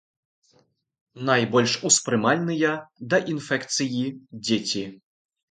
Найбольш успрымальныя да інфекцыі дзеці.